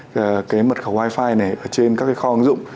cái mật khẩu wifi này ở trên các cái kho ứng dụng